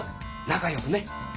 仲よくね。